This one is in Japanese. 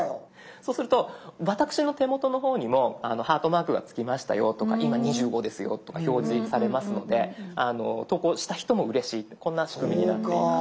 そうすると私の手元の方にもハートマークがつきましたよとか今２５ですよとか表示されますので投稿した人もうれしいこんな仕組みになっています。